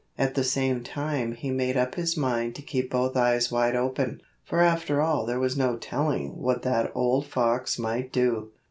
At the same time he made up his mind to keep both eyes wide open, for after all there was no telling what that old fox might do.